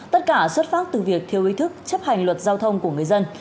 tất cả xuất phát từ việc thiếu ý thức chấp hành luật giao thông của người dân